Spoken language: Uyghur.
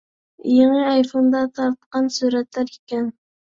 يېڭى ئايفوندا تارتقان سۈرەتلەر ئىكەن.